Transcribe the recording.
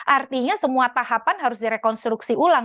artinya semua tahapan harus direkonstruksi ulang